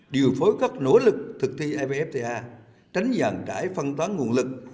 đều phối các nỗ lực thực thi evfta tránh giàn trải phân toán nguồn lực